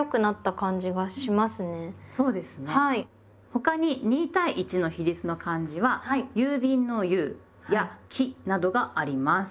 他に２対１の比率の漢字は郵便の「郵」や「期」などがあります。